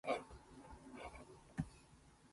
命のはかなさもまた芸術である